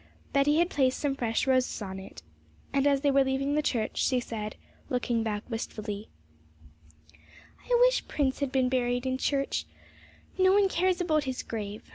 Betty had placed some fresh roses on it, and as they were leaving the church she said, looking back wistfully, 'I wish Prince had been buried in church; no one cares about his grave!